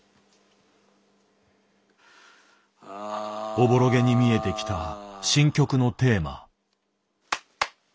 おぼろげに見えてきた新曲のテーマ。